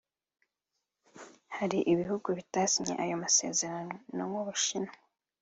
Hari ibihugu bitasinye ayo masezerano nk’u Bushinwa